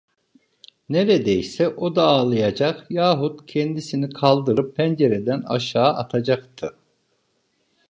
Neredeyse o da ağlayacak yahut kendisini kaldırıp pencereden aşağı atacaktı.